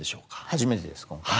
初めてです今回。